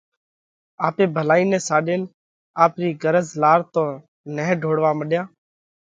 آپي ڀلائِي نئہ ساڏينَ آپرِي غرض لار تو نه ڍوڙوا مڏيا؟